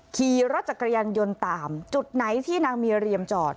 ขี่รถจักรยานยนต์ตามจุดไหนที่นางเมียเรียมจอด